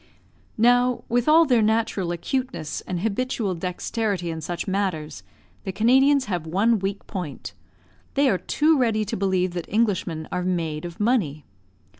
Now, with all their natural acuteness and habitual dexterity in such matters, the Canadians have one weak point; they are too ready to believe that Englishmen are made of money.